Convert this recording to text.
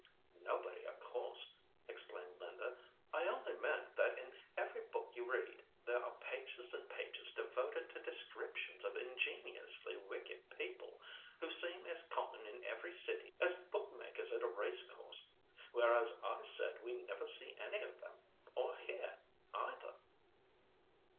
"Nobody, of course," explained Linda. "I only meant that in every book you read there are pages and pages devoted to descriptions of ingeniously wicked people, who seem as common in every city as bookmakers at a racecourse, whereas I said we never see any of them, or hear either."